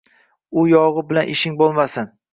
– U yog‘i bilan ishing bo‘lmasin